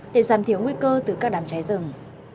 để giảm thiểu nguy cơ từ các đám cháy rừng